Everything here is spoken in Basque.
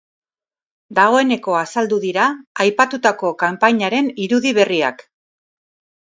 Dagoeneko azaldu dira aipatutako kanpainaren irudi berriak.